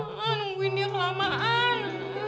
nungguin dia kelamaan